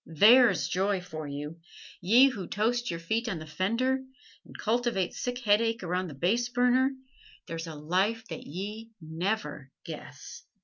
There's joy for you! ye who toast your feet on the fender and cultivate sick headache around the base burner there's a life that ye never guess!